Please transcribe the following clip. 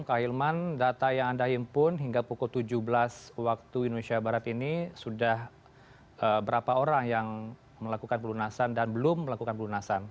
kak hilman data yang anda himpun hingga pukul tujuh belas waktu indonesia barat ini sudah berapa orang yang melakukan pelunasan dan belum melakukan pelunasan